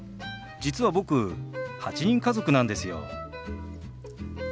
実は僕８人家族なんですよ。